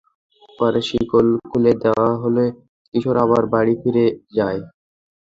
পরে শিকল খুলে দেওয়া হলে কিশোরী আবার বাড়ি থেকে বেরিয়ে যায়।